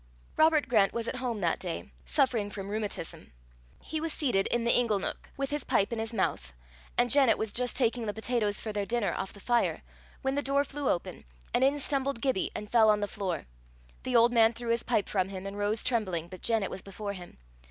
Robert Grant was at home that day, suffering from rheumatism. He was seated in the ingle neuk, with his pipe in his mouth, and Janet was just taking the potatoes for their dinner off the fire, when the door flew open, and in stumbled Gibbie, and fell on the floor. The old man threw his pipe from him, and rose trembling, but Janet was before him.